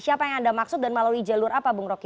siapa yang anda maksud dan melalui jalur apa bung roky